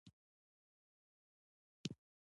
موږ باید د یوه شي تر کچې ټیټ نشو.